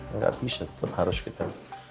enggak bisa tuh harus kita